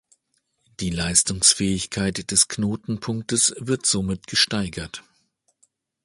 Die Leistungsfähigkeit des Knotenpunktes wird somit gesteigert.